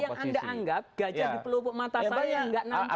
yang anda anggap gajah di pelupuk mata saya nggak nampak